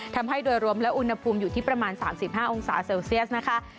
ทำให้โดยรวมแล้วอุณหภูมิอยู่ที่ประมาณ๓๕องศาเซลเซียสนะคะ